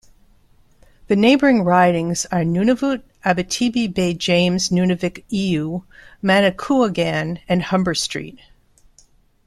The neighbouring ridings are Nunavut, Abitibi-Baie-James-Nunavik-Eeyou, Manicouagan, and Humber-St.